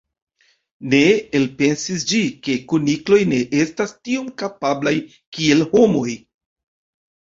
Ne elpensis ĝi, ke kunikloj ne estas tiom kapablaj kiel homoj.